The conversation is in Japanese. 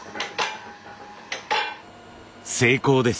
成功です。